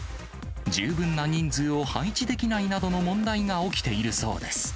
十分な人数を配置できないなどの問題が起きているそうです。